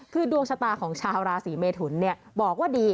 คือดวงชะตาของชาวราศีเมทุนบอกว่าดี